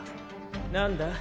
何だ？